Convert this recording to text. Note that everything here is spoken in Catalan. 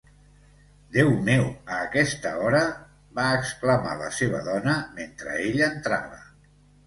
""Déu meu, a aquesta hora!", va exclamar la seva dona mentre ell entrava".